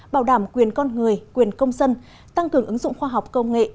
bảo đảm quyền con người quyền công dân tăng cường ứng dụng khoa học công nghệ